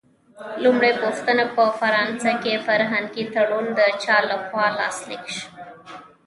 لومړۍ پوښتنه: په فرانسه کې فرهنګي تړون د چا له خوا لاسلیک شو؟